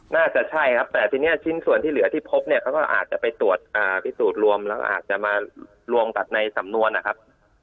น่าจะใช่ครับแต่ทีนี้ชิ้นส่วนที่เหลือที่พบเนี่ยเขาก็อาจจะไปตรวจพิสูจน์รวมแล้วก็อาจจะมารวมกับในสำนวนนะครับ